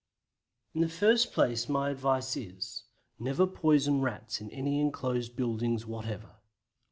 In the first place my advice is never poison Rats in any enclosed buildings whatever.